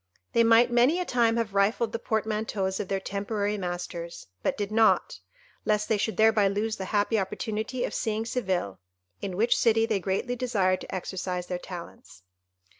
They might many a time have rifled the portmanteaus of their temporary masters, but did not, lest they should thereby lose the happy opportunity of seeing Seville, in which city they greatly desired to exercise their talents.